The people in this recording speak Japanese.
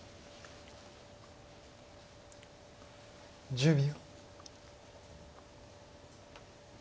１０秒。